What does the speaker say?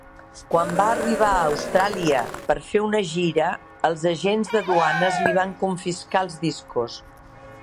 Quan va arribar a Austràlia per fer una gira els agents de duanes li van confiscar els discos.